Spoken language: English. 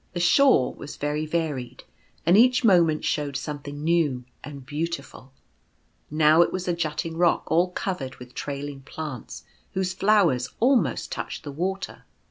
The shore was very varied ; and each moment showed something new and beautiful — Now it was a jutting rock all covered with trailing plants whose flowers almost touched the water.